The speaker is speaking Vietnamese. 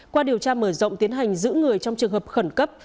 qua điều tra mở rộng tiến hành giữ người trong trường hợp khẩn cấp